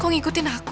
kok ngikutin aku